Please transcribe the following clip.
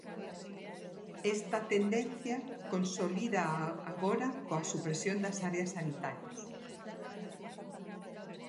Esta tendencia consolídaa agora coa supresión das áreas sanitarias.